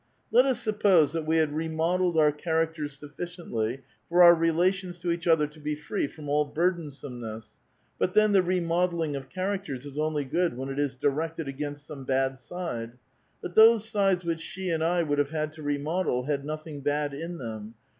Let us suppose that we had remod elled our characters sufficiently for our relations to each other to be free from all burdensomcness, but then the remodelling of character is only good when it is directed against some bad side ; but those sides which she and I would have had to remodel had nothing bad in tliem.